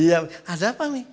iya ada apa mami